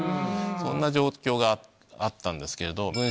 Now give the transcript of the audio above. そんな状況があったんですけれど。